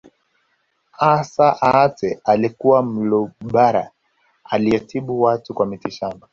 Assa Aatte alikuwa Mlugbara aliyetibu watu kwa mitishamba